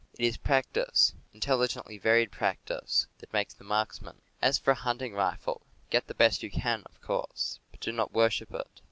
It is practice, intelli gently varied practice, that makes the marksman. As for a hunting rifle, get the best that you can, of course; but do not worship it.